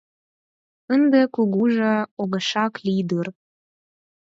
Ынде кугужо огешак лий дыр.